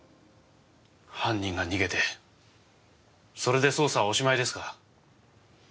犯人が逃げてそれで捜査はおしまいですか？